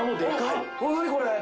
何これ。